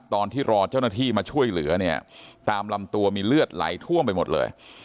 ตอนที่รอเจ้าหน้าที่มาช่วยเหลือเนี่ยตามลำตัวมีเลือดไหลท่วมไปหมดเลย